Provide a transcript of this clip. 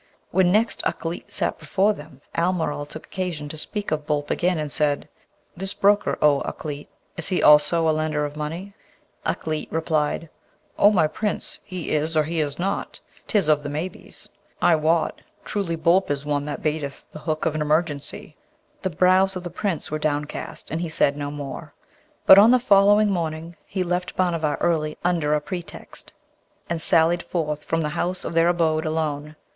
When next Ukleet sat before them, Almeryl took occasion to speak of Boolp again, and said, 'This broker, O Ukleet, is he also a lender of money?' Ukleet replied, 'O my Prince, he is or he is not: 'tis of the maybes. I wot truly Boolp is one that baiteth the hook of an emergency.' The brows of the Prince were downcast, and he said no more; but on the following morning he left Bhanavar early under a pretext, and sallied forth from the house of their abode alone.